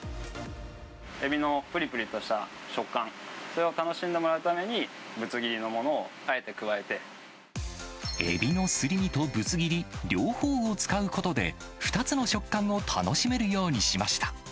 エビのぷりぷりとした食感、それを楽しんでもらうために、エビのすり身とぶつ切り、両方を使うことで、２つの食感を楽しめるようにしました。